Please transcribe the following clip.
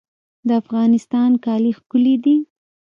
د افغانستان کالي ښکلي دي